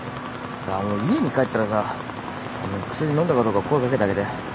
もう家に帰ったらさあの薬飲んだかどうか声掛けてあげて。